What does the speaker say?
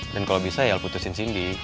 dan kalau bisa ya lo putusin sini